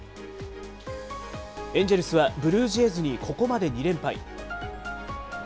エンジェルスはブルージェイズにここまで２連敗。